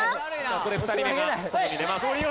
ここで２人目が外に出ます。